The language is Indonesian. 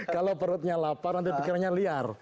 kalau perutnya lapar nanti pikirannya liar